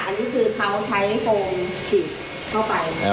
อันนี้คือเขาใช้โฟมฉีดเข้าไป